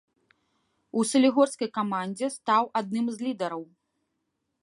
У салігорскай камандзе стаў адным з лідараў.